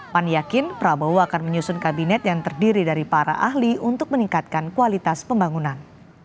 pan yakin prabowo akan menyusun kabinet yang terdiri dari para ahli untuk meningkatkan kualitas pembangunan